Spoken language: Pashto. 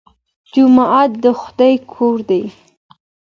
جومات د خدای کور دی.